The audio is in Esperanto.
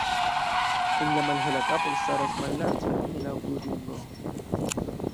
En la malhela kapo elstaras mallarĝa hela okulringo.